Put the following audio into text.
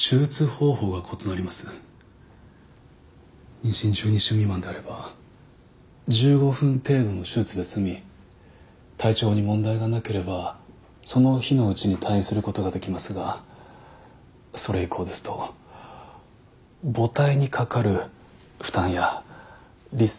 妊娠１２週未満であれば１５分程度の手術で済み体調に問題がなければその日のうちに退院する事ができますがそれ以降ですと母胎にかかる負担やリスクが高まります。